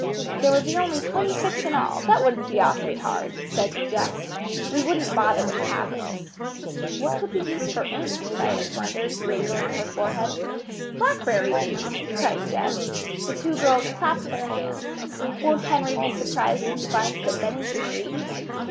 "There would be only twenty six in all. It wouldn't be awfully hard," said Jess. "We wouldn't bother with capitals." "What could we use for ink?" Violet wondered, wrinkling her forehead. "Blackberry juice!" cried Jess. The two girls clapped their hands. "Won't Henry be surprised when he finds that Benny can read?"